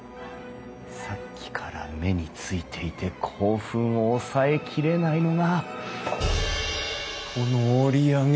さっきから目に付いていて興奮を抑えきれないのがこの折り上げ